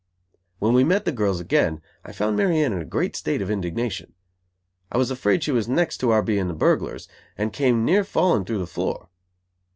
When we met the girls again, I found Mary Anne in a great state of indignation; I was afraid she was "next" to our being the burglars, and came near falling through the floor.